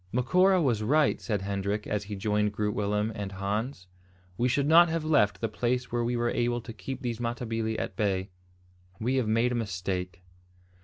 "Macora was right," said Hendrik, as he joined Groot Willem and Hans. "We should not have left the place where we were able to keep these Matabili at bay. We have made a mistake."